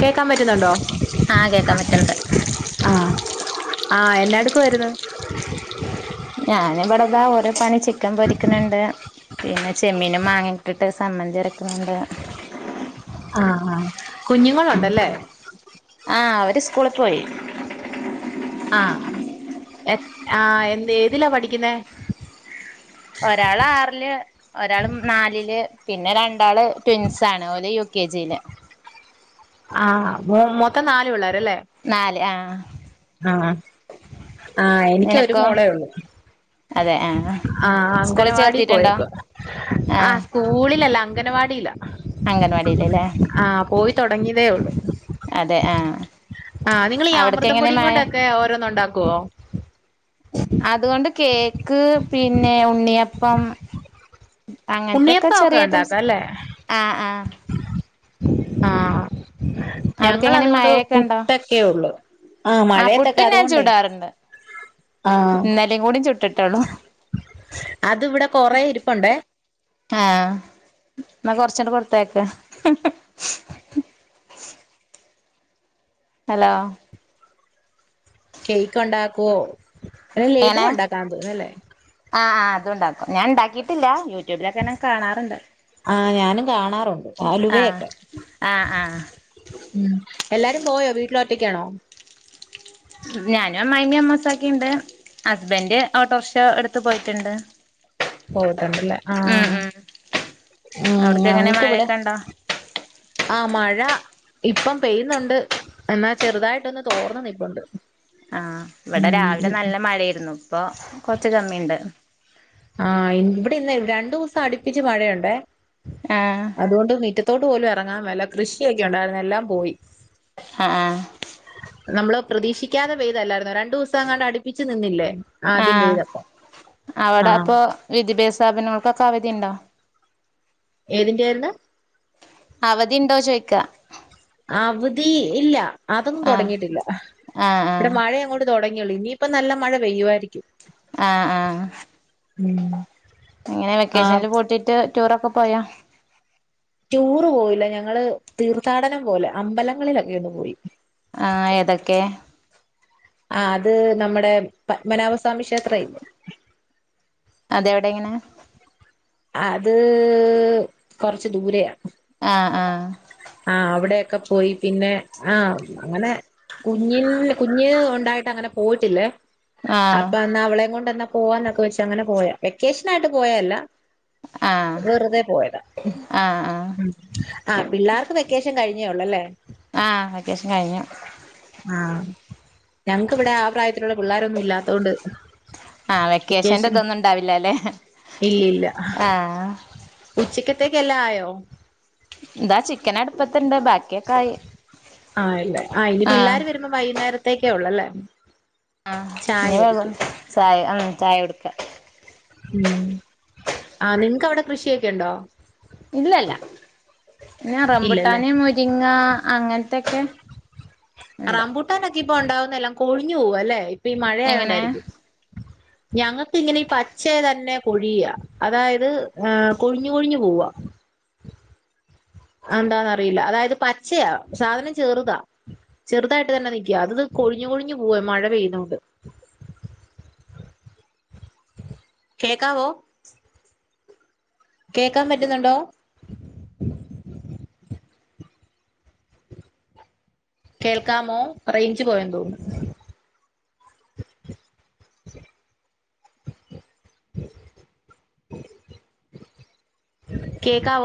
കേക്കാൻ പറ്റുന്നുണ്ടോ ആഹ് കേക്കാൻ പറ്റണ്ട് ആഹ് ആഹ് എന്നാടുക്കുവായിരുന്നു? ഞാനിബ്ടതാ ഓരോ പണി ചിക്കൻ പൊരിക്കുന്നുണ്ട് പിന്നെ ചെമ്മീനും മാങ്ങ ഇട്ടിട്ട് സംമ്മന്തി അരക്കുന്നുണ്ട് ആഹ് ആഹ് കുഞ്ഞുങ്ങൾ ഉണ്ടല്ലേ ആഹ് അവര് സ്കൂളിൽ പോയി ആഹ് എത് ആഹ് എന്ത് ഏതിലാ പഠിക്കുന്നേ? ഒരാള് ആറില് ഒരാള് നാലില് പിന്നെ രണ്ടാള് ട്വിൻസ് ആണ് ഓല് യു കെ ജിയില് ആഹ് മൊ മൊത്തം നാല് പിള്ളേര് അല്ലേ നാല് ആഹ് ആഹ് എനിക്ക് ഒരു നിനക്കോ മോളേ ഒള്ളു അതെ ആഹ് ആഹ് സ്കൂളിൽ അംഗനവാടി ചേർത്തിട്ടുണ്ടോ പോയേക്കുവ ആഹ് സ്കൂ കൂളിലല്ല അംഗനവാടിലാ അംഗൻവാടിയിലല്ലേ ആഹ് പോയി തൊടങ്ങിയതേ ഒള്ളൂ അതെ ആഹ് ആഹ് നിങ്ങൾ ഈ അവിടക്ക് അമൃതം എങ്ങനെ പൊടി മഴ കൊണ്ട് ഒക്കെ ഓരോന്ന് ഒണ്ടാക്കുവോ അത് കൊണ്ട് കേക്ക് പിന്നെ ഉണ്ണിയപ്പം അങ്ങനത്തെ ഒക്കെ ഉണ്ണിയപ്പം ചെറിയ ഐറ്റംസ് ഉണ്ടാക്കും അല്ലേ ആഹ് ആഹ് ആഹ് അവിടക്ക് ഞങ്ങള് എങ്ങനെ അതുകൊണ്ട് മഴയൊക്കെ ഉണ്ടോ പുട്ട് ഒക്കെ ഉള്ളു ആഹ് ആ മഴയത്തൊക്കെ പുട്ടും അത് ഞാൻ കൊണ്ടേ ചൂടാറുണ്ട് ആഹ് ഇന്നലെയും കൂടി ചുട്ടിട്ടുള്ളൂ അത് ഇവിടെ കൊറെ ഇരിപ്പുണ്ടേ ആഹ് എന്നാ കൊറച്ച്ണ്ട് കൊടുത്ത് അയക്ക് ഹലോ കേക്ക് ഒണ്ടാക്കുവോ ഈ ലഡു എങ്ങനെ ഒണ്ടാക്കാൻ തോന്നല്ലേ ആഹ് ആഹ് അതും ഉണ്ടാക്കും ഞാൻ ഒണ്ടാക്കിയിട്ടില്ല യൂ ട്യൂബില് ഒക്കെ ഞാൻ കാണാറ്ണ്ട് ആ ഞാനും കാണാറുണ്ട് ആഹ് അലുവയൊക്കെ ആ ആഹ് ഉം, എല്ലാരും പോയോ വീട്ടിലോറ്റക്കാണോ ഞാനും അമ്മായിമ്മയും, അമ്മോൻസാക്കിണ്ട് ഹസ്ബന്റ് ഓട്ടോ റിഷോ എടുത്ത് പോയിട്ടുണ്ട് പോയിട്ട്ണ്ടല്ലേ ഉം ആഹ് ഉം ഉം അവിടക്ക് എങ്ങനെ ഞങ്ങക്ക് ഇവിടെ മഴയൊക്കെ ഉണ്ടോ ആ മഴ ഇപ്പം പെയ്യുന്നുണ്ട് എന്നാ ചെറുതായിട്ടൊന്ന് തോർന്ന് നിപ്പുണ്ട് ആഹ് ഇവിടെ രാവിലെ ഉം നല്ല മഴയിരുന്നു ഇപ്പൊ കൊറച്ച് കമ്മിയുണ്ട് ആഹ് ഇവിടെ ഇന്ന് രണ്ടു ദിവസം അടുപ്പിച്ച് മഴയുണ്ടേ ആഹ് അതുകൊണ്ട് മീറ്റത്തോട്ട് പോലും ഇറങ്ങാൻ മേല കൃഷിയൊക്കെ ഉണ്ടായിരുന്നു എല്ലാം പോയി ആഹ് ആ നമ്മള് പ്രതീക്ഷിക്കാതെ പെയ്തല്ലായിര്ന്നോ രണ്ടു ദിവസം അങ്ങാണ്ട് അടിപ്പിച്ച് നിന്നില്ലേ ആദ്യം ആഹ് പെയ്തപ്പോ അവിടെ ആ അപ്പൊ വിദ്യാഭ്യാസ സ്ഥാപനങ്ങൾക്കൊക്കെ അവധി ഉണ്ടോ ഏതിന്റെ ആയിരുന്നു അവധി ഉണ്ടോ ചോയിക്ക അവധി ഇല്ല, അതൊന്നും ആഹ് തുടങ്ങിയിട്ടില്ല ആഹ് ഇവിടെ ആഹ് മഴയ അങ്ങോട്ട് തുടങ്ങിയുള്ളൂ ഇനിയിപ്പ നല്ല മഴ പെയ്യുവായിരിക്കും ആഹ് ആഹ് ഉം എങ്ങനെ ആ വെക്കേഷണലിൽ പൂട്ടിട്ട് ടൂർ ഒക്കെ പോയാ ടൂറ് പോയില്ല ഞങ്ങള് തീർത്ഥാടനം പോലെ അമ്പലങ്ങളില് ഒക്കെ ഒന്ന് പോയി ആ ഏതൊക്കെ ആ അത് നമ്മുടെ പത്മനാഭസ്വാമി ക്ഷേത്ര ഇല്ലേ അതെ അവിടെ എങ്ങനെ അത് കൊറച്ച് ദൂരെയാണ് ആഹ് ആഹ് ആ അവിടെയൊക്കെ പോയി പിന്നെ ആഹ് അങ്ങനെ കുഞ്ഞിൽ കുഞ്ഞ് ഉണ്ടായിട്ട് അങ്ങനെ പോയിട്ടില്ലേ ആഹ് അപ്പൊ എന്നാ അവളേയും കൊണ്ടന്നാ പോവാന്നൊക്കെ വെച്ച് അങ്ങനെ പോയാ വെക്കേഷൻ ആയിട്ട് പോയതല്ല ആഹ് വെറുതെ പോയതാ ആഹ് ആഹ് ആ പിള്ളേർക്ക് വെക്കേഷൻ കഴിഞ്ഞേള്ളൂ അല്ലേ ആഹ് വെക്കേഷൻ കഴിഞ്ഞു ആഹ് ഞങ്ങക്ക് ഇവിടെ ആ പ്രായത്തിലുള്ള പിള്ളോരൊന്നും ഇല്ലാത്തൊണ്ട് ആഹ് വെക്കേഷന്റെ ഇതൊന്നും ഉണ്ടാവില്ലല്ലേ ആഹ് ഉച്ചക്കത്തേക്ക് എല്ലാം ആയോ ഇതാ ചിക്കൻ അടുപ്പത്ത്ണ്ട് ബാക്കിയൊക്കെ ആയി ആ ആയില്ലേ ആ ഇനി ആഹ് പിള്ളേര് വരുമ്പോ വൈകുന്നേരത്തേക്കേ ഉള്ളൂ അല്ലേ ആ ഇനി വരും ചായ ആ ചായ കൊടുക്ക ഉം ആ നിങ്ങക്ക് അവിടെ കൃഷിയൊക്കെ ഉണ്ടോ ഇല്ലല്ല പിന്നെ ഇല്ലല്ലേ റംമ്പുട്ടാനെ, മുരിങ്ങ അങ്ങനത്തൊക്കെ ഉണ്ട് റാംമ്പൂട്ടാനൊക്കെ ഇപ്പ ഉണ്ടാവുന്നല്ലാം കൊഴിഞ്ഞു പോകും അല്ലെ ഇപ്പൊ ഈ എങ്ങനെ മഴയോണ്ടായിരിക്കും [unintelligible] ഞങ്ങക്ക് ഇങ്ങനെ പച്ചയ തന്നെ കൊഴിയാ, അതായത് ഏ കൊഴിഞ്ഞു കൊഴിഞ്ഞു പോവാ എന്താന്നറിയില്ല, അതായത് പച്ചയാ സാധനം ചെറുതാ ചെറുതായിട്ട് തന്നെ നിൽക്കുക അത് കൊഴിഞ്ഞ്, കൊഴിഞ്ഞ് പോവാ മഴ പെയ്യുന്നോണ്ട് കേക്കാവോ കേക്കാൻ പറ്റുന്നുണ്ടോ? കേൾക്കാമോ റെയ്ഞ്ച് പോയെന്ന് തോന്നുന്നു. ഉം കേക്കാവോ